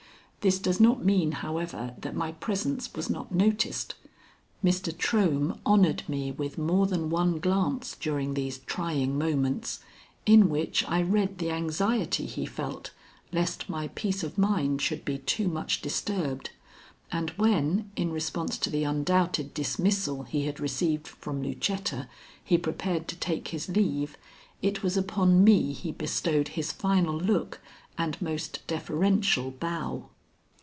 This does not mean, however, that my presence was not noticed. Mr. Trohm honored me with more than one glance during these trying moments, in which I read the anxiety he felt lest my peace of mind should be too much disturbed, and when, in response to the undoubted dismissal he had received from Lucetta, he prepared to take his leave, it was upon me he bestowed his final look and most deferential bow.